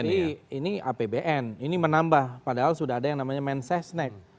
ini apbn ini menambah padahal sudah ada yang namanya mensesnek